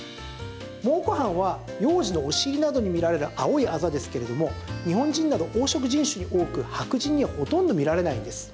蒙古斑は幼児のお尻などに見られる青いあざですけれども日本人など黄色人種に多く白人にはほとんど見られないんです。